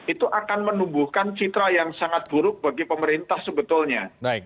itu akan menumbuhkan citra yang sangat buruk bagi pemerintah sebetulnya